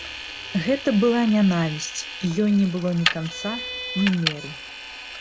Гэта была нянавісць, і ёй не было ні канца, ні меры.